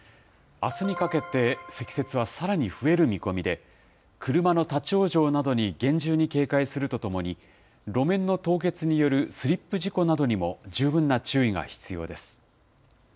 あすにかけて積雪はさらに増える見込みで、車の立往生などに厳重に警戒するとともに、路面の凍結によるスリップ事故などにも十分な注意が必要です。